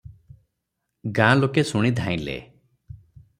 ଗାଁ ଲୋକେ ଶୁଣି ଧାଇଁଲେ ।